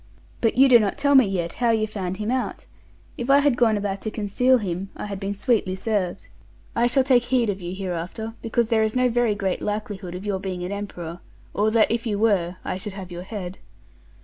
But you do not tell me yet how you found him out. If I had gone about to conceal him, I had been sweetly serv'd. I shall take heed of you hereafter; because there is no very great likelihood of your being an emperor, or that, if you were, I should have your head.